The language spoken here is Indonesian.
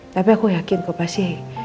tapi aku yakin kau pasti